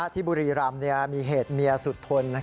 ที่บุรีรำมีเหตุเมียสุดทน